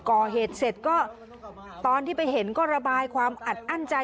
ก่อเหตุเสร็จก็ตอนที่ไปเห็นก็ระบายความอัดอั้นใจ